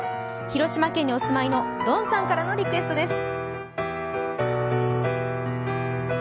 広島県にお住まいのどんさんからのリクエストです。